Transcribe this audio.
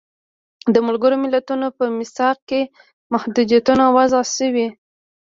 د ملګرو ملتونو په میثاق کې محدودیتونه وضع شوي.